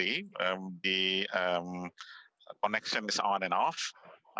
anda melakukan secara relatif baik